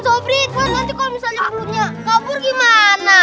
sobri gue nanti kalau misalnya belutnya kabur gimana